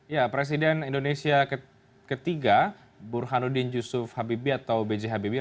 ya presiden indonesia ketiga burhanuddin yusuf habibie atau b j habibie